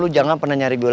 rasanya rasanya gracius deh